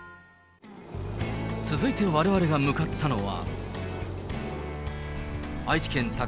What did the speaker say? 続いてわれわれが向かったのは。